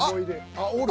あっおる。